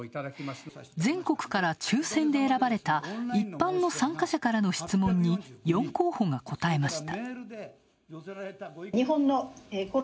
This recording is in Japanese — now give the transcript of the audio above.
全国から抽せんで選ばれた一般からの参加者からの質問に４候補が答えました。